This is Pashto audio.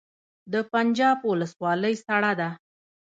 د پنجاب ولسوالۍ سړه ده